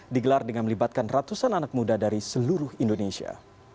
digelar dengan melibatkan ratusan anak muda dari seluruh indonesia